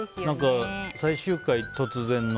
最終回、突然の。